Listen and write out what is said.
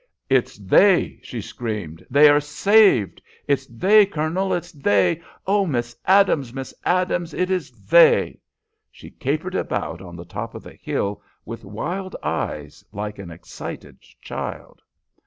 "It's they!" she screamed. "They are saved! It's they, Colonel, it's they! O Miss Adams, Miss Adams, it is they!" She capered about on the top of the hill with wild eyes like an excited child.